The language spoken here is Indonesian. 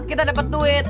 kita dapat duit